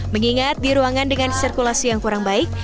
mengingat di ruangan dengan sirkulasi yang kurang baik